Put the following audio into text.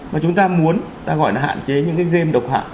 mà chúng ta muốn ta gọi là hạn chế những cái game độc hại